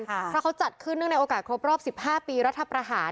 เพราะเขาจัดขึ้นเนื่องในโอกาสครบรอบ๑๕ปีรัฐประหาร